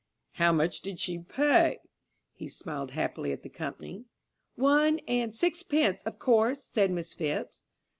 How much did she pay?" He smiled happily at the company. "One and sixpence, of course," said Miss Phipps.